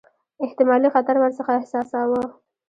احتمالي خطر ورڅخه احساساوه.